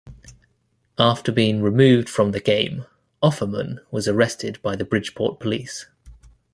After being removed from the game, Offerman was arrested by the Bridgeport Police.